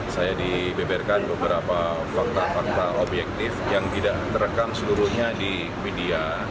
saya dibeberkan beberapa fakta fakta objektif yang tidak terekam seluruhnya di media